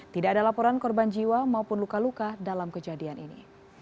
tidak ada laporan korban jiwa maupun luka luka dalam kejadian ini